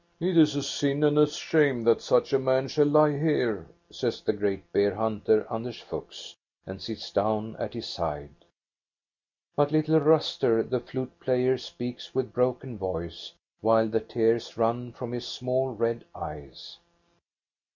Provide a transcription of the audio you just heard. '' It is a sin and a shame that such a man shall lie here," says the great bear hunter, Anders Fuchs, and sits down at his side. But little Ruster, the flute player, speaks with broken voice, while the tears run from his small red eyes.